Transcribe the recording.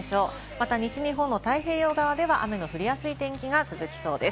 また西日本の太平洋側では雨の降りやすい天気が続きそうです。